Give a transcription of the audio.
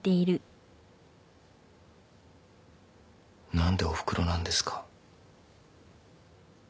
何でおふくろなんですか？